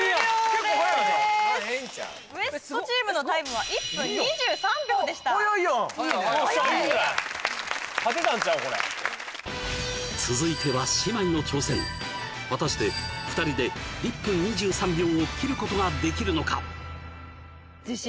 結構早いなＷＥＳＴチームのタイムは１分２３秒でした早いやん続いては姉妹の挑戦果たして２人で１分２３秒を切ることができるのか？